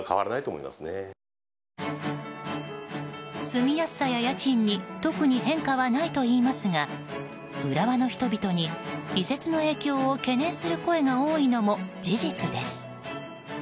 住みやすさや家賃に特に変化はないといいますが浦和の人々に移設の影響を懸念する声が多いのも事実です。